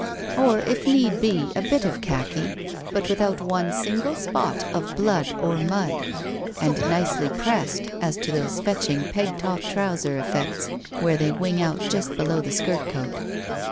Or, if need be, a bit of khaki, but without one single spot of blood or mud, and nicely pressed as to those fetching peg top trouser effects where they wing out just below the skirt coat.